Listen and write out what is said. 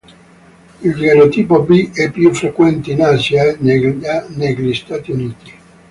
Il genotipo B è più frequente in Asia e negli Stati Uniti.